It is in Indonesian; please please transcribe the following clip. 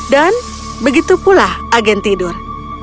dan begitu pula agen tidur